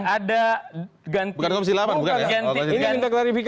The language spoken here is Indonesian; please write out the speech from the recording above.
jadi ada ganti